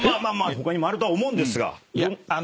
他にもあるとは思うんですが。